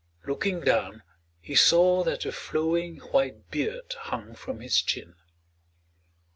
Looking down he saw that a flowing white beard hung from his chin.